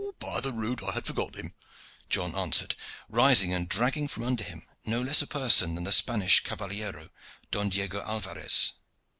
"By the rood! I had forgot him," John answered, rising and dragging from under him no less a person than the Spanish caballero, Don Diego Alvarez.